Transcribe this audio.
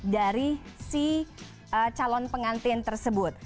dari si calon pengantin tersebut